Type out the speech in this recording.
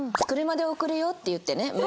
「車で送るよ」って言ってね